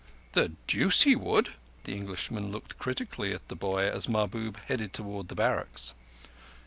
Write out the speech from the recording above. "The deuce he would!" The Englishman looked critically at the boy as Mahbub headed towards the barracks.